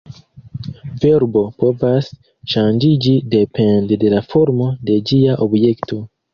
Verbo povas ŝanĝiĝi depende de la formo de ĝia objekto.